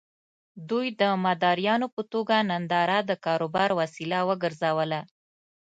دوی د مداريانو په توګه ننداره د کاروبار وسيله وګرځوله.